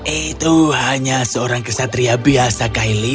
itu hanya seorang kesatria biasa kyli